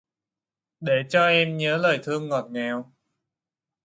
Để cho em nhớ lời thương ngọt ngào